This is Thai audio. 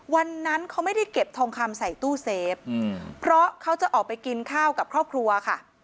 วันนั้นเขาไม่ได้เก็บทองคำใส่ตู้เซฟเพราะเขาจะออกไปกินข้าวกับครอบครัวค่ะ